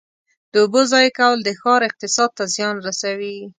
د اوبو ضایع کول د ښار اقتصاد ته زیان رسوي.